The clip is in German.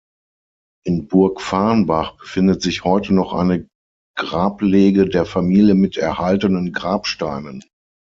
In Burgfarrnbach befindet sich heute noch eine Grablege der Familie mit erhaltenen Grabsteinen.